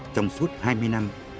trong suốt hai mươi năm